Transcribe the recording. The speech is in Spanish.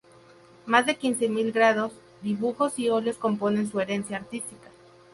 Más de quince mil grabados, dibujos y óleos componen su herencia artística.